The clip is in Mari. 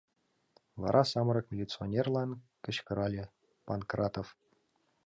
Вара самырык милиционерлан кычкырале: — Панкратов!